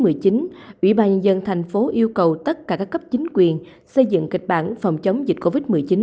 ủy ban nhân dân thành phố yêu cầu tất cả các cấp chính quyền xây dựng kịch bản phòng chống dịch covid một mươi chín